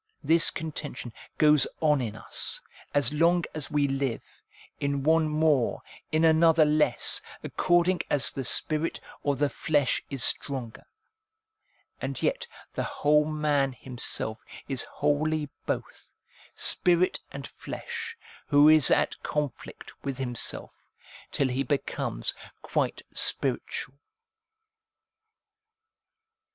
This contention goes on in us, as long as we live, in one more, in another less, according as the spirit or the flesh is stronger. And yet the whole man himself is wholly both, spirit and flesh, who is at conflict with himself, till he becomes quite spiritual.